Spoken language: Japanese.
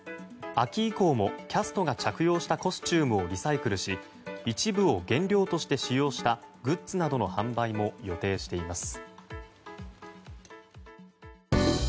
秋以降もキャストが着用したコスチュームをリサイクルし一部を原料として使用したグッズなどの販売も予定しています。